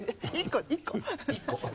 １個１個。